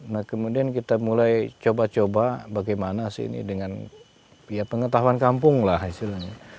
nah kemudian kita mulai coba coba bagaimana sih ini dengan ya pengetahuan kampung lah hasilnya